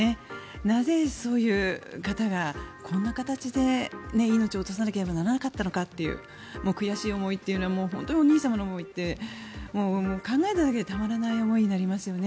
なぜ、そういう方がこんな形で命を落とさなければならなかったのかという悔しい思いというのは本当にお兄様の思いって考えただけでたまらない思いになりますよね。